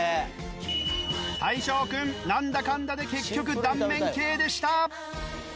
大昇君なんだかんだで結局断面系でした。